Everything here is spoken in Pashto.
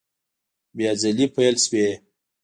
بیا ځلي پیل شوې